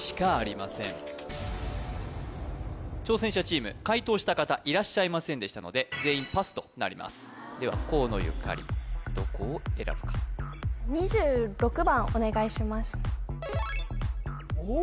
挑戦者チーム解答した方いらっしゃいませんでしたので全員パスとなりますでは河野ゆかりどこを選ぶかお願いしますおっ？